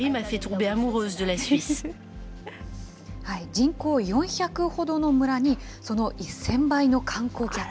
人口４００ほどの村に、その１０００倍の観光客。